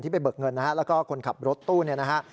ไปเบิกเงินนะฮะแล้วก็คนขับรถตู้เนี่ยนะฮะ